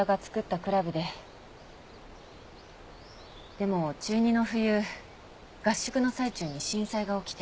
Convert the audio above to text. でも中２の冬合宿の最中に震災が起きて。